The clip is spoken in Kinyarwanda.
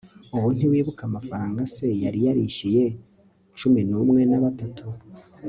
ubu ntiwibuke amafaranga se yari yarayishyuye, cumi n'umwe na batatu